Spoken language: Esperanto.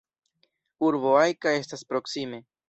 Urbo Ajka estas proksime.